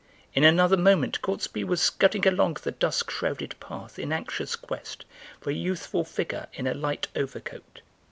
In another moment Gortsby was scudding along the dusk shrouded path in anxious quest for a youthful figure in a light overcoat.